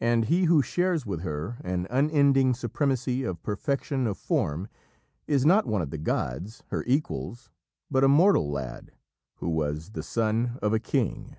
And he who shares with her an unending supremacy of perfection of form is not one of the gods, her equals, but a mortal lad, who was the son of a king.